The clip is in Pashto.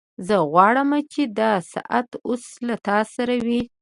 زه غواړم چې دا ساعت اوس له تا سره وي